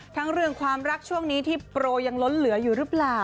เรื่องความรักช่วงนี้ที่โปรยังล้นเหลืออยู่หรือเปล่า